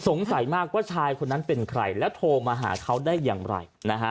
สงสัยมากว่าชายคนนั้นเป็นใครแล้วโทรมาหาเขาได้อย่างไร